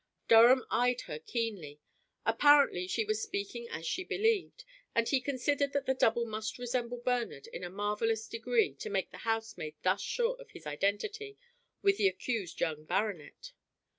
Durham eyed her keenly. Apparently she was speaking as she believed, and he considered that the double must resemble Bernard in a marvellous degree to make the housemaid thus sure of his identity with the accused young baronet.